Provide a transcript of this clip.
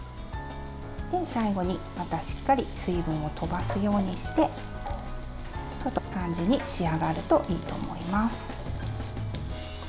最後に、またしっかり水分をとばすようにしてこんな感じに仕上がるといいと思います。